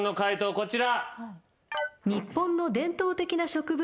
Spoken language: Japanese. こちら。